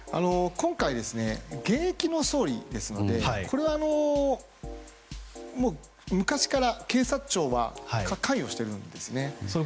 今回現役の総理ですのでこれは昔から警察庁は関与しているんですね。